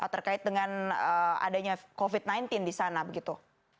terkait dengan adanya covid sembilan belas di sana begitu